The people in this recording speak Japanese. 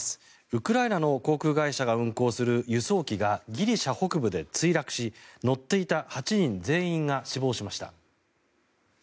ウクライナの航空会社が運航する輸送機がギリシャ北部で墜落し乗っていた８人全員が死亡しました。